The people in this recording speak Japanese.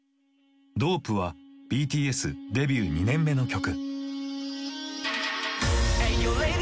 「ＤＯＰＥ」はＢＴＳデビュー２年目の曲。